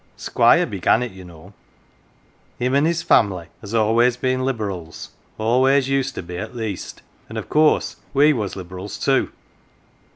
" Squire began it, you know. Him an' his family has always been Liberals always used to be at least and of course we was Liberals too.